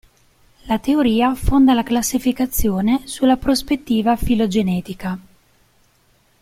La teoria fonda la classificazione sulla prospettiva filogenetica.